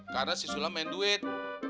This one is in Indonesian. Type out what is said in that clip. karena si sulam main duit